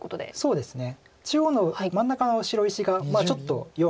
そうですね。